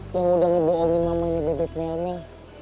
yang udah nge dl in mamanya bebek melmel